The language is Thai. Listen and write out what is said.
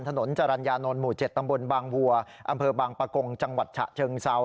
ถนนจรรยานนท์หมู่๗ตำบลบางวัวอำเภอบางปะกงจังหวัดฉะเชิงเซา